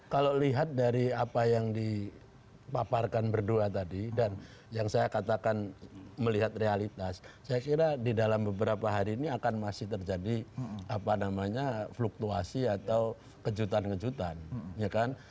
kalau lihat dari apa yang dipaparkan berdua tadi dan yang saya katakan melihat realitas saya kira di dalam beberapa hari ini akan masih terjadi apa namanya fluktuasi atau kejutan kejutan ya kan